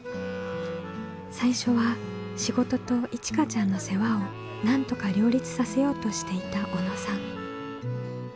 最初は仕事といちかちゃんの世話をなんとか両立させようとしていた小野さん。